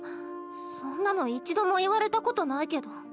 そんなの一度も言われたことないけど。